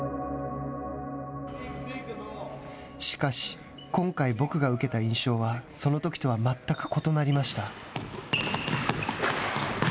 しかし、今回、僕が受けた印象はそのときとは全く異なりました。